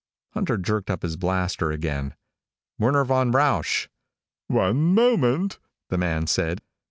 Hunter jerked up his blaster again. "Werner von Rausch?" "One moment," the man said.